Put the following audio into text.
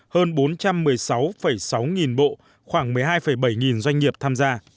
hơn bốn trăm một mươi sáu sáu nghìn bộ khoảng một mươi hai bảy nghìn doanh nghiệp tham gia